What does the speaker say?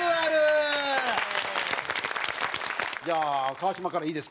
じゃあ川島からいいですか？